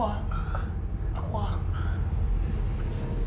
เอาไงวะไอบอส